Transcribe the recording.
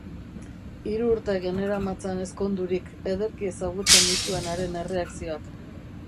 Hiru urte generamatzan ezkondurik, ederki ezagutzen nituen haren erreakzioak.